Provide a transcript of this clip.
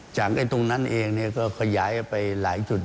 จากไว้ตรงนั้นเองก็ขยายไปหลายจุด